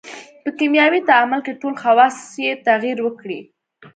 په کیمیاوي تعامل کې ټول خواص یې تغیر وکړي.